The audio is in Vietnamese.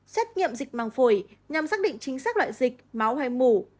xét nghiệm dịch màng phổi nhằm xác định chính xác loại dịch máu hay mù